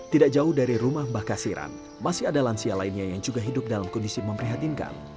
tidak jauh dari rumah mbah kasiran masih ada lansia lainnya yang juga hidup dalam kondisi memprihatinkan